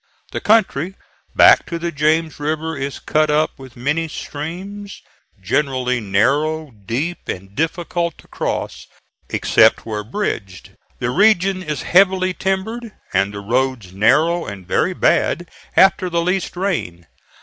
The country back to the James River is cut up with many streams, generally narrow, deep, and difficult to cross except where bridged. The region is heavily timbered, and the roads narrow, and very bad after the least rain.